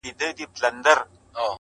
په سپين لاس کي يې دی سپين سگريټ نيولی